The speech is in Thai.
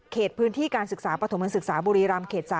พื้นที่การศึกษาปฐมศึกษาบุรีรำเขต๓